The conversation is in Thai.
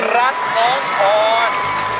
รักน้องพร